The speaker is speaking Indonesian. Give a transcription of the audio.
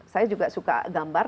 saya juga suka gambar